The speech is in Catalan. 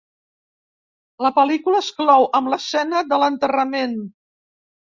La pel·lícula es clou amb l'escena de l'enterrament.